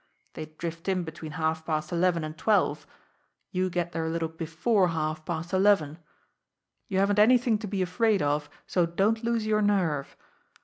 They drift in between half past eleven and twelve you get there a little before halfpast eleven. You haven't anything to be afraid of, so don't lose your nerve.